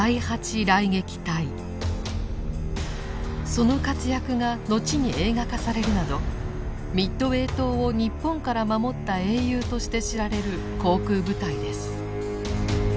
その活躍がのちに映画化されるなどミッドウェー島を日本から守った英雄として知られる航空部隊です。